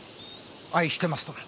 愛してますとも。